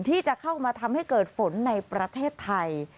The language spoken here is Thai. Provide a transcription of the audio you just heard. ที่จะเข้ามาทำให้เกิดฝนในประเทศไทย